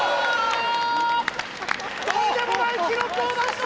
とんでもない記録を出した！